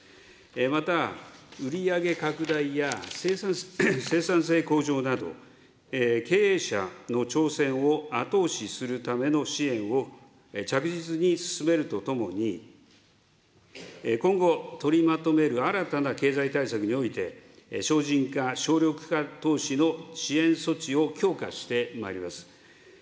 また、売り上げ拡大や生産性向上など、経営者の挑戦を後押しするための支援を着実に進めるとともに、今後、取りまとめる新たな経済対策において、省人化、省力化投資の支援措置を強化してまいります。